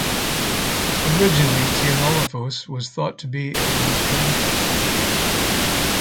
Originally, "Teinolophos" was thought to be a eupanthothere.